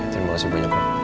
terima kasih banyak bu